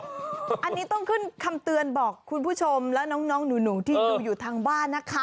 อันนี้ต้องขึ้นคำเตือนบอกคุณผู้ชมและน้องหนูที่ดูอยู่ทางบ้านนะคะ